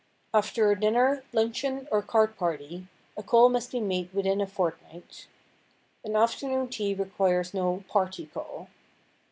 After a dinner, luncheon or card party, a call must be made within a fortnight. An afternoon tea requires no "party call."